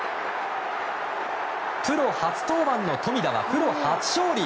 プロ初登板の富田はプロ初勝利。